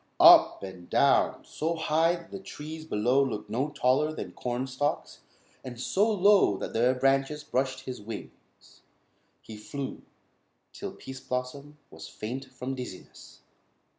Up and down, so high that the trees below looked no taller than corn stalks, and so low that their branches brushed his wings, he flew, till Pease Blossom was faint from dizziness.